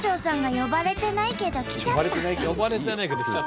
「呼ばれてないけど来ちゃった」。